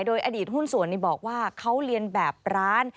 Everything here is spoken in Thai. โดยอดีตหุ้นส่วนบอกว่าเขาเรียนแบบร้าน